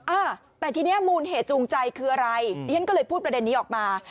อ่าแต่ทีนี้มูลเหตุจูงใจคืออะไรดิฉันก็เลยพูดประเด็นนี้ออกมา